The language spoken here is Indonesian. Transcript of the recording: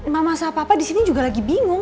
mama sama papa disini juga lagi bingung